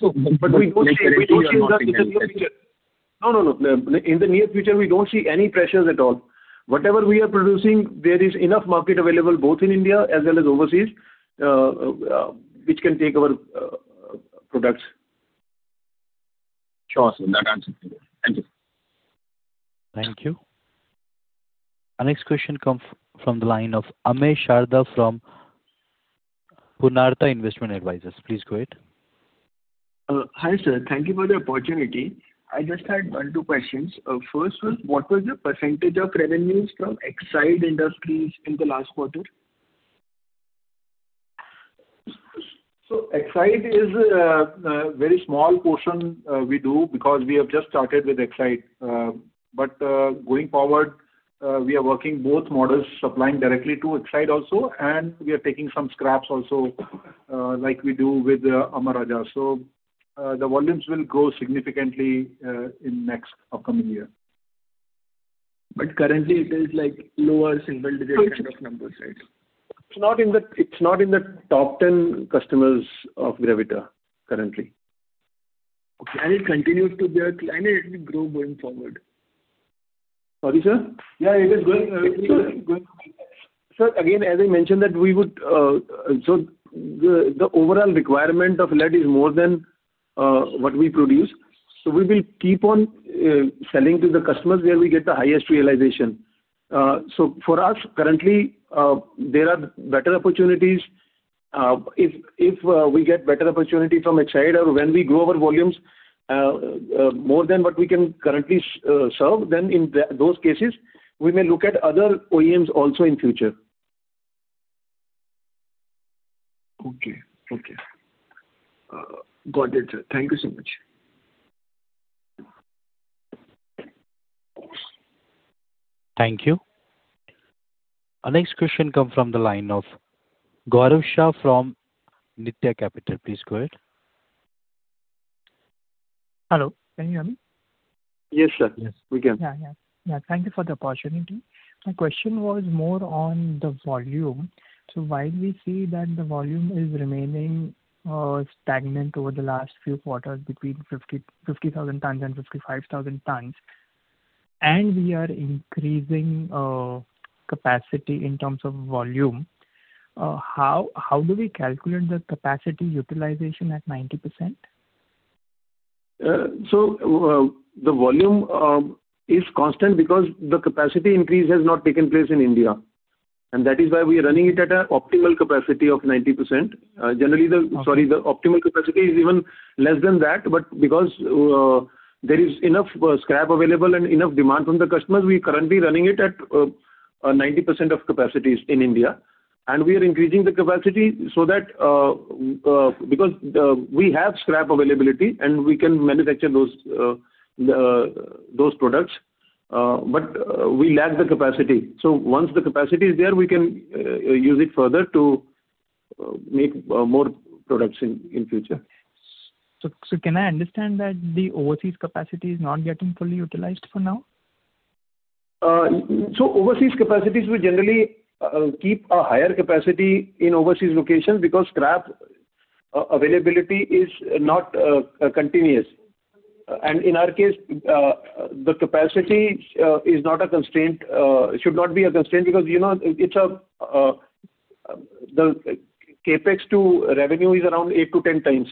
[SPEAKER 3] But we don't see that in the future. No, no, no. In the near future, we don't see any pressures at all. Whatever we are producing, there is enough market available both in India as well as overseas, which can take our products.
[SPEAKER 13] Sure. That answers my question. Thank you.
[SPEAKER 1] Thank you. Our next question comes from the line of Amay Sharda from Purnartha Investment Advisors. Please go ahead.
[SPEAKER 14] Hi, sir. Thank you for the opportunity. I just had one or two questions. First was, what was the percentage of revenues from Exide Industries in the last quarter?
[SPEAKER 3] Exide is a very small portion we do because we have just started with Exide. But going forward, we are working both models supplying directly to Exide also, and we are taking some scraps also like we do with Amara Raja. The volumes will grow significantly in the next upcoming year.
[SPEAKER 14] But currently, it is like lower single digit number, right?
[SPEAKER 3] It's not in the top 10 customers of Gravita currently.
[SPEAKER 14] Okay. And it continues to be a client? It will grow going forward?
[SPEAKER 3] Sorry, sir?
[SPEAKER 14] Yeah, it is going forward.
[SPEAKER 3] Sir, again, as I mentioned that we would so the overall requirement of lead is more than what we produce. So we will keep on selling to the customers where we get the highest realization. So for us, currently, there are better opportunities. If we get better opportunity from Exide or when we grow our volumes more than what we can currently serve, then in those cases, we may look at other OEMs also in future.
[SPEAKER 14] Okay. Okay. Got it, sir. Thank you so much.
[SPEAKER 1] Thank you. Our next question comes from the line of Gaurav Shah from Nitya Capital. Please go ahead.
[SPEAKER 15] Hello. Can you hear me?
[SPEAKER 3] Yes, sir. We can.
[SPEAKER 15] Thank you for the opportunity. My question was more on the volume. So while we see that the volume is remaining stagnant over the last few quarters between 50,000 tons and 55,000 tons, and we are increasing capacity in terms of volume, how do we calculate the capacity utilization at 90%?
[SPEAKER 3] The volume is constant because the capacity increase has not taken place in India. And that is why we are running it at an optimal capacity of 90%. Generally, sorry, the optimal capacity is even less than that. But because there is enough scrap available and enough demand from the customers, we are currently running it at 90% of capacities in India. And we are increasing the capacity so that because we have scrap availability, and we can manufacture those products, but we lack the capacity. So once the capacity is there, we can use it further to make more products in future.
[SPEAKER 15] So can I understand that the overseas capacity is not getting fully utilized for now?
[SPEAKER 3] Overseas capacities, we generally keep a higher capacity in overseas locations because scrap availability is not continuous. And in our case, the capacity is not a constraint, should not be a constraint, because it's a CapEx to revenue around eight to 10 times.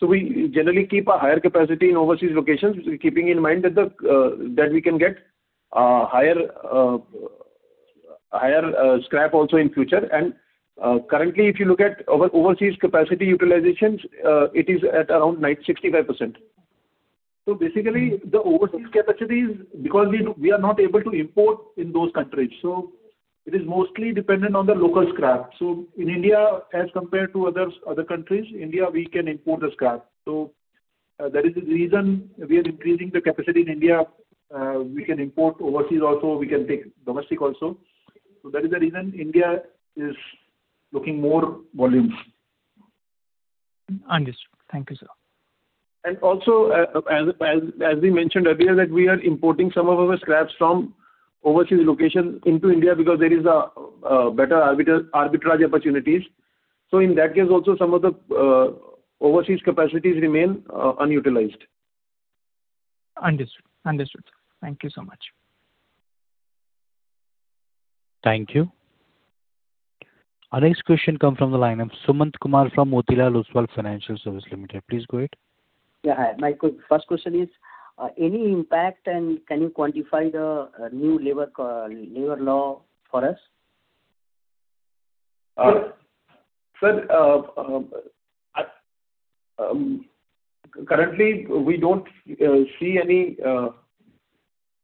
[SPEAKER 3] So we generally keep a higher capacity in overseas locations, keeping in mind that we can get higher scrap also in future. And currently, if you look at overseas capacity utilization, it is at around 65%. So basically, the overseas capacity is because we are not able to import in those countries. So it is mostly dependent on the local scrap. So in India, as compared to other countries, India, we can import the scrap. So that is the reason we are increasing the capacity in India. We can import overseas also. We can take domestic also. That is the reason India is looking more volumes.
[SPEAKER 15] Understood. Thank you, sir.
[SPEAKER 3] And also, as we mentioned earlier, that we are importing some of our scraps from overseas locations into India because there is a better arbitrage opportunities. So in that case, also, some of the overseas capacities remain unutilized.
[SPEAKER 15] Understood. Understood. Thank you so much.
[SPEAKER 1] Thank you. Our next question comes from the line of Sumant Kumar from Motilal Oswal Financial Services Limited. Please go ahead.
[SPEAKER 16] Yeah. My first question is, any impact and can you quantify the new labor law for us?
[SPEAKER 3] Sir, currently, we don't see any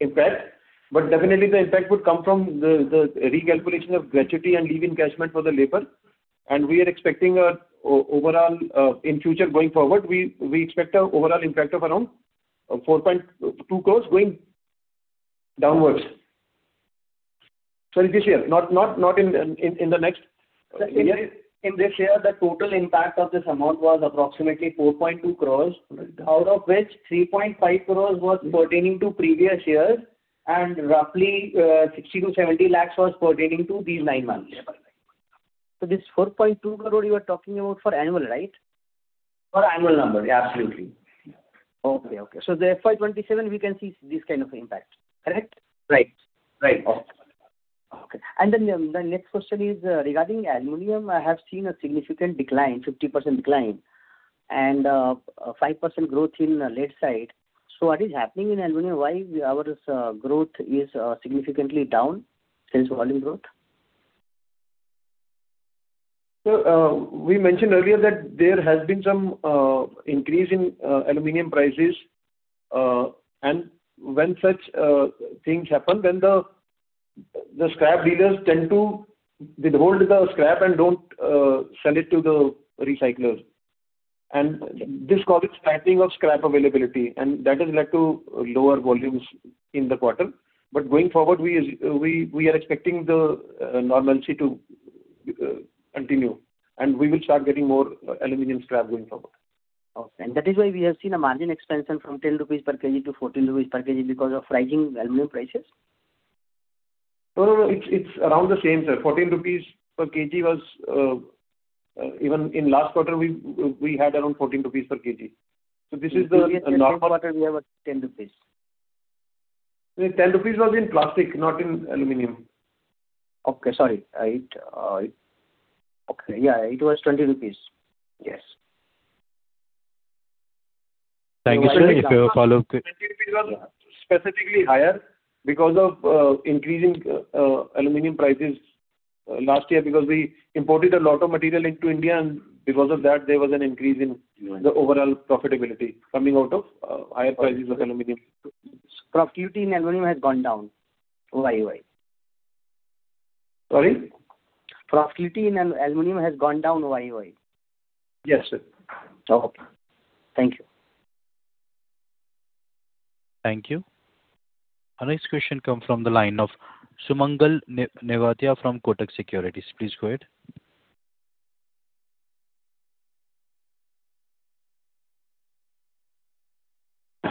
[SPEAKER 3] impact, but definitely, the impact would come from the recalculation of gratuity and leave encashment for the labor, and we are expecting an overall in future going forward, we expect an overall impact of around 4.2 crores going downwards. Sorry, this year, not in the next year.
[SPEAKER 10] In this year, the total impact of this amount was approximately 4.2 crores, out of which 3.5 crores was pertaining to previous years, and roughly 60-70 lakhs was pertaining to these nine months.
[SPEAKER 16] So this 4.2 crore you are talking about for annual, right?
[SPEAKER 3] For annual number, absolutely.
[SPEAKER 16] Okay. Okay, so the FY27, we can see this kind of impact, correct?
[SPEAKER 3] Right. Right.
[SPEAKER 16] Okay. And then the next question is regarding aluminum. I have seen a significant decline, 50% decline, and 5% growth in lead side. So what is happening in aluminum? Why our growth is significantly down since volume growth?
[SPEAKER 3] We mentioned earlier that there has been some increase in aluminum prices. And when such things happen, then the scrap dealers tend to withhold the scrap and don't sell it to the recyclers. And this causes flattening of scrap availability, and that has led to lower volumes in the quarter. But going forward, we are expecting the normalcy to continue, and we will start getting more aluminum scrap going forward.
[SPEAKER 16] Okay. And that is why we have seen a margin expansion from 10 rupees per kg to 14 rupees per kg because of rising aluminum prices?
[SPEAKER 3] No, no, no. It's around the same, sir. 14 rupees per kg was even in last quarter, we had around 14 rupees per kg. So this is the normal.
[SPEAKER 16] Yesterday's quarter, we have 10 rupees.
[SPEAKER 3] 10 was in plastic, not in aluminum.
[SPEAKER 16] Okay. Sorry. All right. Okay. Yeah. It was INR 20. Yes.
[SPEAKER 1] Thank you, sir. If you follow.
[SPEAKER 3] 20 was specifically higher because of increasing aluminum prices last year because we imported a lot of material into India, and because of that, there was an increase in the overall profitability coming out of higher prices of aluminum.
[SPEAKER 16] Profitability in aluminum has gone down. Why? Why?
[SPEAKER 3] Sorry?
[SPEAKER 16] Profitability in aluminum has gone down. Why? Why?
[SPEAKER 3] Yes, sir.
[SPEAKER 16] Okay. Thank you.
[SPEAKER 1] Thank you. Our next question comes from the line of Sumangal Nevatia from Kotak Securities. Please go ahead.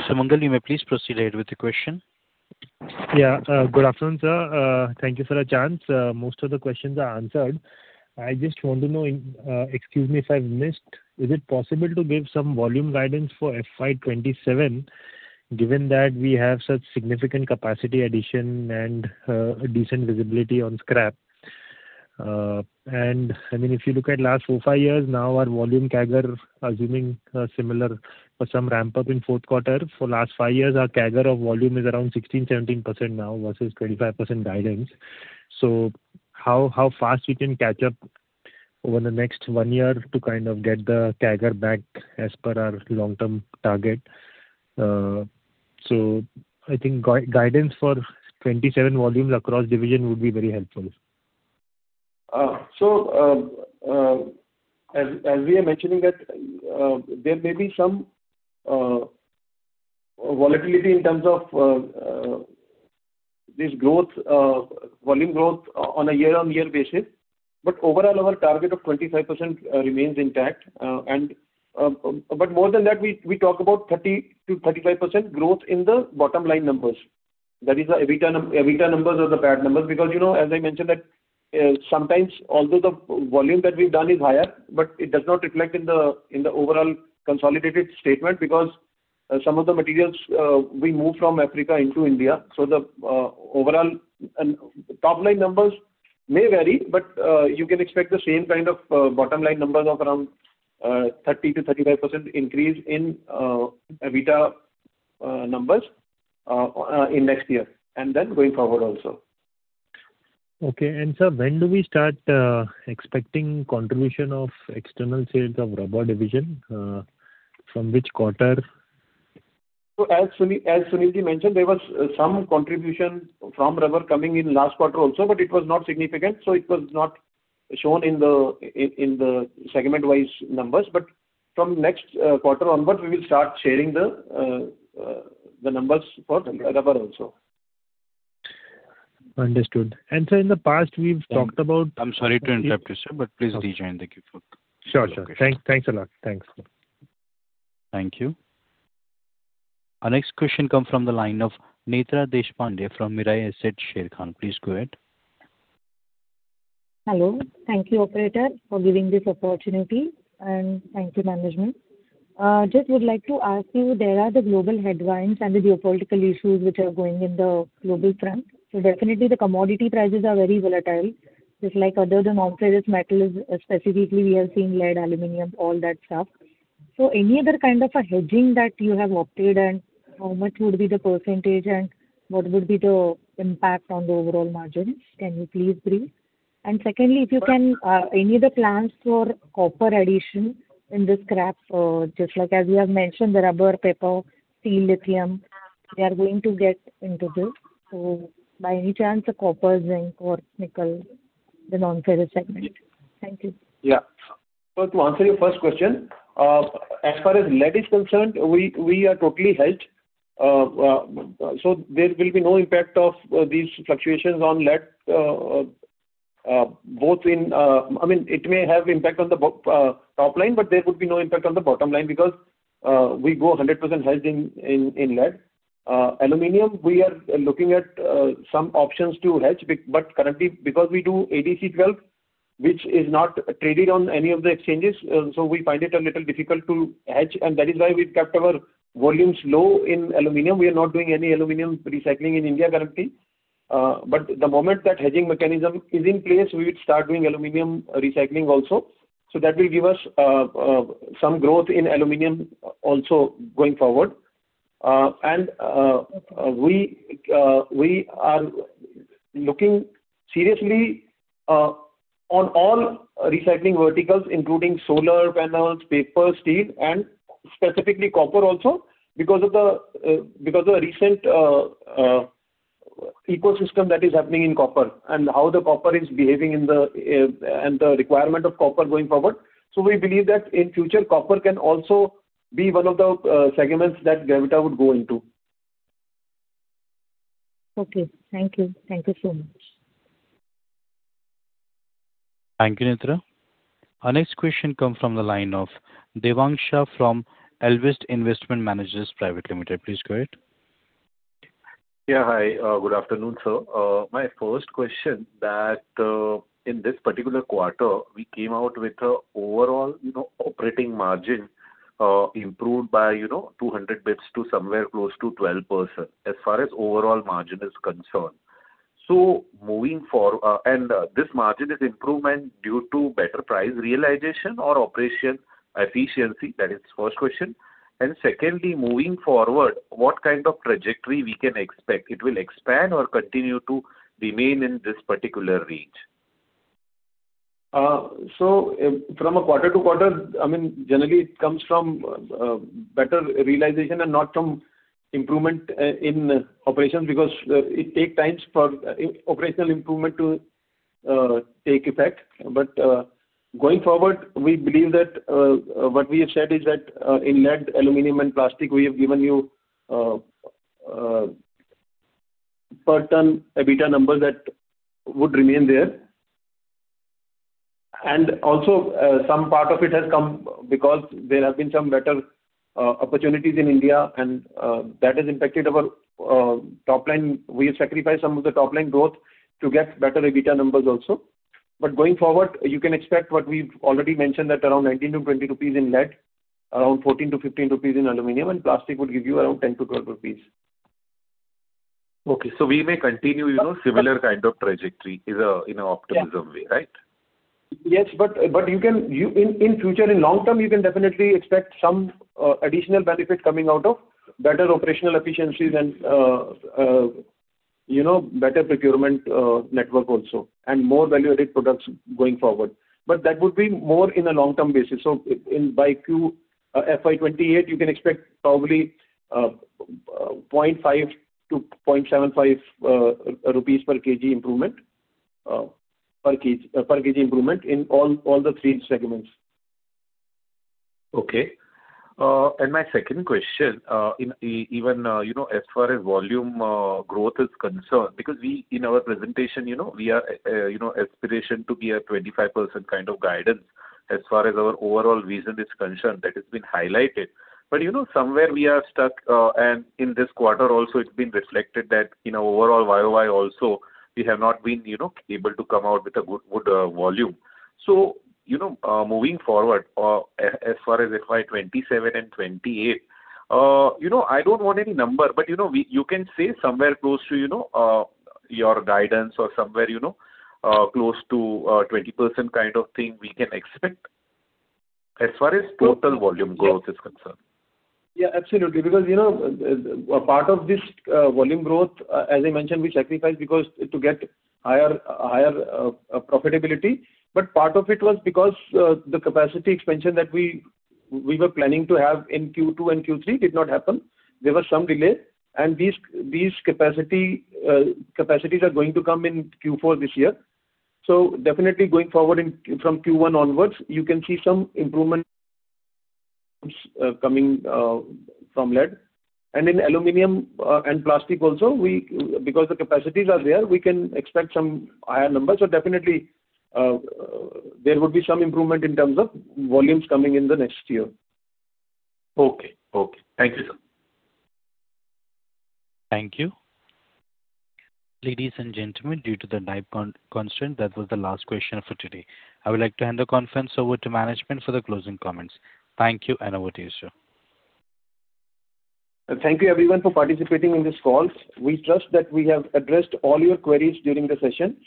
[SPEAKER 1] Sumangal, you may please proceed ahead with the question.
[SPEAKER 17] Yeah. Good afternoon, sir. Thank you for the chance. Most of the questions are answered. I just want to know, excuse me if I've missed, is it possible to give some volume guidance for FY 27 given that we have such significant capacity addition and decent visibility on scrap? And I mean, if you look at last four, five years, now our volume CAGR, assuming similar, was some ramp-up in fourth quarter. For last five years, our CAGR of volume is around 16%-17% now versus 25% guidance. So how fast we can catch up over the next one year to kind of get the CAGR back as per our long-term target? So I think guidance for 27 volumes across division would be very helpful.
[SPEAKER 3] As we are mentioning that there may be some volatility in terms of this volume growth on a year-on-year basis. But overall, our target of 25% remains intact. But more than that, we talk about 30%-35% growth in the bottom-line numbers. That is the EBITDA numbers or the PAT numbers because, as I mentioned, that sometimes, although the volume that we've done is higher, but it does not reflect in the overall consolidated statement because some of the materials we move from Africa into India. So the overall top-line numbers may vary, but you can expect the same kind of bottom-line numbers of around 30%-35% increase in EBITDA numbers in next year and then going forward also.
[SPEAKER 17] Okay, and sir, when do we start expecting contribution of external sales of rubber division from which quarter?
[SPEAKER 3] So as Sunilji mentioned, there was some contribution from rubber coming in last quarter also, but it was not significant. So it was not shown in the segment-wise numbers. But from next quarter onward, we will start sharing the numbers for rubber also.
[SPEAKER 17] Understood. And, sir, in the past, we've talked about.
[SPEAKER 1] I'm sorry to interrupt you, sir, but please disconnect. Thank you for.
[SPEAKER 17] Sure. Sure. Thanks a lot. Thanks.
[SPEAKER 1] Thank you. Our next question comes from the line of Netra Deshpande from Mirae Asset Sharekhan. Please go ahead.
[SPEAKER 18] Hello. Thank you, Operator, for giving this opportunity. And thank you, Management. Just would like to ask you, there are the global headwinds and the geopolitical issues which are going in the global front. So definitely, the commodity prices are very volatile. Just like other than non-ferrous metals, specifically, we have seen lead, aluminum, all that stuff. So any other kind of hedging that you have opted and how much would be the percentage and what would be the impact on the overall margins? Can you please brief? And secondly, if you can, any other plans for copper addition in the scrap, just like as we have mentioned, the rubber, paper, steel, lithium, they are going to get into this. So by any chance, the copper, zinc, or nickel, the non-ferrous segment? Thank you.
[SPEAKER 3] Yeah. So to answer your first question, as far as lead is concerned, we are totally hedged. So there will be no impact of these fluctuations on lead, both in I mean, it may have impact on the top line, but there would be no impact on the bottom line because we go 100% hedged in lead. Aluminum, we are looking at some options to hedge, but currently, because we do ADC12, which is not traded on any of the exchanges, so we find it a little difficult to hedge. And that is why we kept our volumes low in aluminum. We are not doing any aluminum recycling in India currently. But the moment that hedging mechanism is in place, we would start doing aluminum recycling also. So that will give us some growth in aluminum also going forward. We are looking seriously on all recycling verticals, including solar panels, paper, steel, and specifically copper also because of the recent ecosystem that is happening in copper and how the copper is behaving and the requirement of copper going forward. We believe that in future, copper can also be one of the segments that Gravita would go into.
[SPEAKER 18] Okay. Thank you. Thank you so much.
[SPEAKER 1] Thank you, Netra. Our next question comes from the line of Devang Shah from Allvest Investment Managers Private Limited. Please go ahead.
[SPEAKER 19] Yeah. Hi. Good afternoon, sir. My first question that in this particular quarter, we came out with an overall operating margin improved by 200 basis points to somewhere close to 12% as far as overall margin is concerned. So moving forward, and this margin is improvement due to better price realization or operation efficiency. That is the first question. And secondly, moving forward, what kind of trajectory we can expect? It will expand or continue to remain in this particular range?
[SPEAKER 3] So from a quarter to quarter, I mean, generally, it comes from better realization and not from improvement in operations because it takes time for operational improvement to take effect. But going forward, we believe that what we have said is that in lead, aluminum, and plastic, we have given you per ton EBITDA numbers that would remain there. And also, some part of it has come because there have been some better opportunities in India, and that has impacted our top line. We have sacrificed some of the top-line growth to get better EBITDA numbers also. But going forward, you can expect what we've already mentioned that around 19-20 rupees in lead, around 14-15 rupees in aluminum, and plastic would give you around 10-12 rupees.
[SPEAKER 19] Okay. So we may continue similar kind of trajectory in an optimistic way, right?
[SPEAKER 3] Yes. But in future, in long term, you can definitely expect some additional benefit coming out of better operational efficiencies and better procurement network also and more value-added products going forward. But that would be more in a long-term basis. So by FY28, you can expect probably 0.5-0.75 rupees per kg improvement in all the three segments.
[SPEAKER 19] Okay. And my second question, even as far as volume growth is concerned, because in our presentation, we are aspiring to be a 25% kind of guidance as far as our overall recycling is concerned that has been highlighted. But somewhere, we are stuck. And in this quarter also, it's been reflected that in our overall YOY also, we have not been able to come out with a good volume. So moving forward, as far as FY27 and FY28, I don't want any number, but you can say somewhere close to your guidance or somewhere close to 20% kind of thing we can expect as far as total volume growth is concerned.
[SPEAKER 3] Yeah. Absolutely. Because a part of this volume growth, as I mentioned, we sacrificed because to get higher profitability, but part of it was because the capacity expansion that we were planning to have in Q2 and Q3 did not happen. There was some delay, and these capacities are going to come in Q4 this year, so definitely, going forward from Q1 onwards, you can see some improvements coming from lead, and in aluminum and plastic also, because the capacities are there, we can expect some higher numbers, so definitely, there would be some improvement in terms of volumes coming in the next year.
[SPEAKER 19] Okay. Okay. Thank you, sir.
[SPEAKER 1] Thank you. Ladies and gentlemen, due to the time constraint, that was the last question for today. I would like to hand the conference over to Management for the closing comments. Thank you, and over to you, sir.
[SPEAKER 3] Thank you, everyone, for participating in this call. We trust that we have addressed all your queries during the session.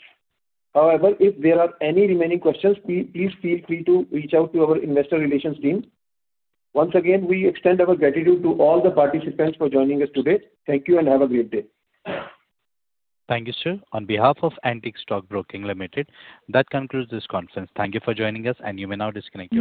[SPEAKER 3] However, if there are any remaining questions, please feel free to reach out to our investor relations team. Once again, we extend our gratitude to all the participants for joining us today. Thank you, and have a great day.
[SPEAKER 1] Thank you, sir. On behalf of Antique Stock Broking Limited, that concludes this conference. Thank you for joining us, and you may now disconnect.